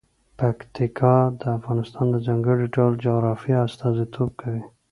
پکتیکا د افغانستان د ځانګړي ډول جغرافیه استازیتوب کوي.